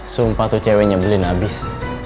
sumpah tuh cewek nyebelin abis